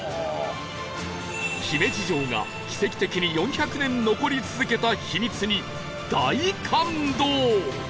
姫路城が奇跡的に４００年残り続けた秘密に大感動